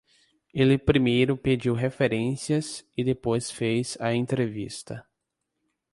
Ele primeiro pediu referências e depois fez a entrevista.